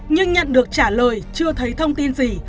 nhưng nhận được trả lời chưa thấy thông tin gì